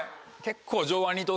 結構。